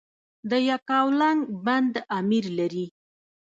د یکاولنګ بند امیر لري